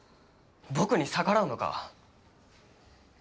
僕に逆らうのか？